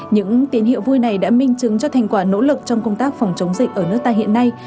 những tín hiệu vui này đã minh chứng cho thành quả nỗ lực trong công tác phòng chống dịch ở nước ta hiện nay